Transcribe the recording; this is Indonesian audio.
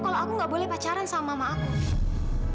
kalau aku gak boleh pacaran sama mama aku